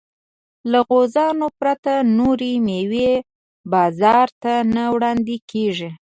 له غوزانو پرته نورې مېوې بازار ته نه وړاندې کېږي.